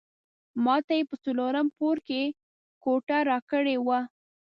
ماته یې په څلورم پوړ کې کوټه راکړې وه.